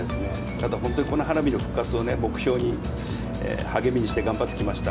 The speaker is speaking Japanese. ただ、本当にこの花火の復活を目標に、励みにして頑張ってきました。